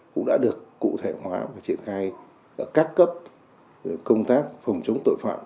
cũng đã được cụ thể hóa và triển khai ở các cấp công tác phòng chống tội phạm